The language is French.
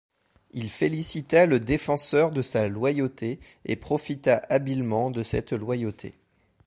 Il félicita le défenseur de sa « loyauté », et profita habilement de cette loyauté.